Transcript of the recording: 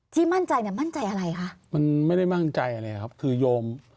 มั่นใจเนี่ยมั่นใจอะไรคะมันไม่ได้มั่นใจอะไรครับคือโยม